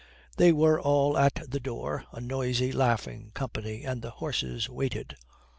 They were all at the door, a noisy, laughing company, and the horses waited.